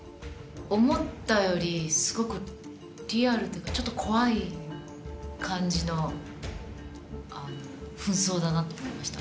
思ったよりすごくリアルというかちょっと怖い感じの扮装だなと思いました。